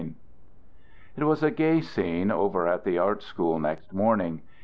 IV It was a gay scene over at the art school next morning.